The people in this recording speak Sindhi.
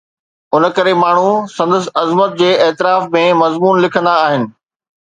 ان ڪري ماڻهو سندس عظمت جي اعتراف ۾ مضمون لکندا آهن.